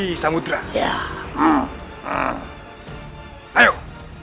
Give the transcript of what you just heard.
idp kita sudah pulang dari balik